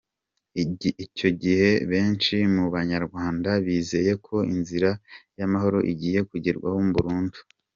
Icyo gihe benshi mu banyarwanda bizeye ko inzira y’amahoro igiye kugerwaho burundu.